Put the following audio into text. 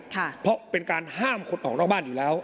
เพราะเป็นการห้ามคนออกนอกบ้านอยู่แล้ว